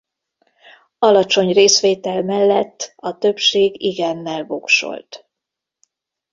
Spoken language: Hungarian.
Alacsony részvétel mellett a többség igennel voksolt.